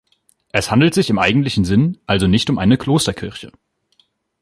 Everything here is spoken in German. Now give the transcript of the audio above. Es handelt sich im eigentlichen Sinn also nicht um eine Klosterkirche.